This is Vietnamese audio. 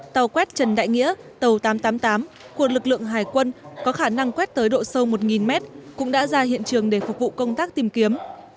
tàu quét trần đại nghĩa tàu tám trăm tám mươi tám của lực lượng hải quân có khả năng quét tới độ sâu một mét cũng đã ra hiện trường để phục vụ công tác tìm kiếm